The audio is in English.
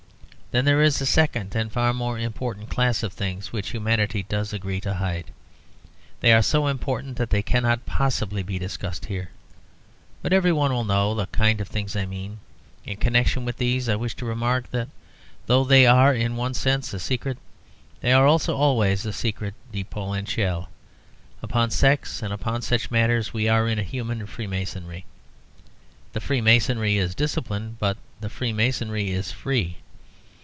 Then there is a second and far more important class of things which humanity does agree to hide. They are so important that they cannot possibly be discussed here. But every one will know the kind of things I mean. In connection with these, I wish to remark that though they are, in one sense, a secret, they are also always a "sécret de Polichinelle." Upon sex and such matters we are in a human freemasonry; the freemasonry is disciplined, but the freemasonry is free.